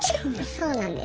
そうなんです。